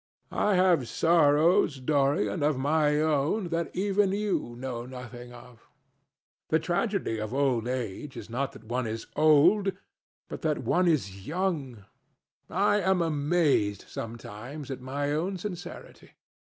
I have sorrows, Dorian, of my own, that even you know nothing of. The tragedy of old age is not that one is old, but that one is young. I am amazed sometimes at my own sincerity.